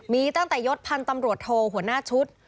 มีตั้งแต่ยศพันธ์ตำรวจโทหัวหน้าชุด